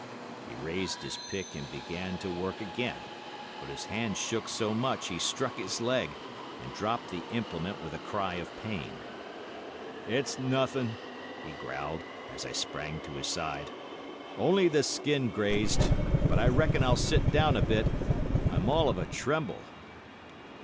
He raised his pick and began to work again, but his hands shook so much he struck his leg and dropped the implement with a cry of pain. "'It's nothing,' he growled, as I sprang to his side; 'only the skin grazed. But I reckon I'll sit down a bit—I'm all of a tremble.